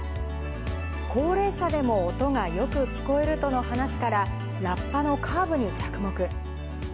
高齢者でも音がよく聞こえるとの話から、ラッパのカーブに着目。